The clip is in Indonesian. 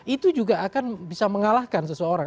itu juga akan bisa mengalahkan seseorang